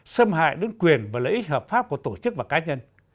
xâm hại đến quyền và lợi ích hợp pháp của tổ chức và cá nhân